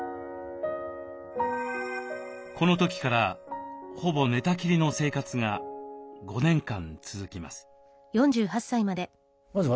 この時からほぼ寝たきりの生活が５年間続きます。